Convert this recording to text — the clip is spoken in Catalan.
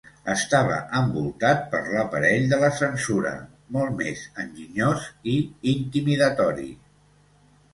Estava envoltat per l'aparell de la censura molt més enginyós i intimidatori.